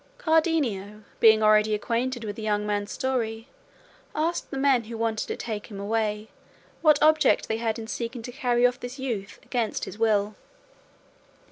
Cardenio being already acquainted with the young man's story, asked the men who wanted to take him away, what object they had in seeking to carry off this youth against his will.